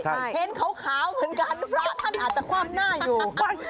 เห็นขาวเหมือนกันพระท่านอาจจะคว่ำหน้าอยู่